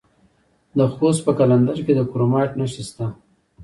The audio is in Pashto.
د خوست په قلندر کې د کرومایټ نښې شته.